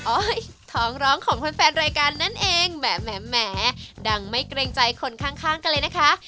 ท้องร้องของแฟนรายการนั่นเองแหมดังไม่เกรงใจคนข้างกันเลยนะคะ